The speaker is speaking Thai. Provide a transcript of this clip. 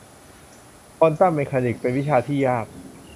ควอนตัมเมคานิคส์ เป็นวิชาที่ยาก